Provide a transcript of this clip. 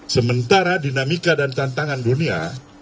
sementara dinamika dan tantangan dunia